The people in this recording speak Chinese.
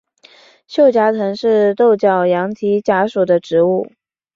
锈荚藤是豆科羊蹄甲属的植物。